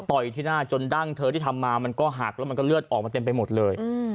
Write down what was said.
ต่อยที่หน้าจนดั้งเธอที่ทำมามันก็หักแล้วมันก็เลือดออกมาเต็มไปหมดเลย